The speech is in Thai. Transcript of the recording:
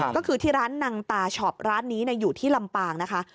ก็คือที่ร้านนังตาช็อปร้านนี้อยู่ที่ลำปางนะคะ